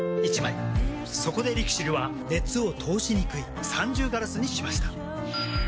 そこでＬＩＸＩＬは熱を通しにくい三重ガラスにしました。